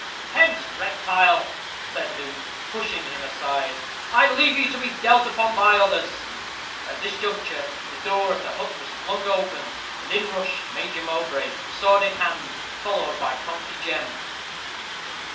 "Hence, reptile," said Luke, pushing him aside; "I leave you to be dealt upon by others." At this juncture, the door of the hut was flung open, and in rushed Major Mowbray, sword in hand, followed by Conkey Jem.